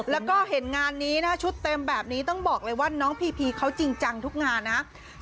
แล้วก็เห็นงานนี้นะชุดเต็มแบบนี้ต้องบอกเลยว่าน้องพีพีเขาจริงจังทุกงานนะ